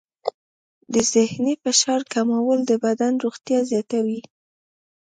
د ذهني فشار کمول د بدن روغتیا زیاتوي.